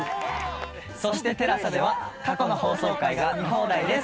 そしてＴＥＬＡＳＡでは過去の放送回が見放題です。